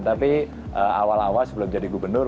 tapi awal awal sebelum jadi gubernur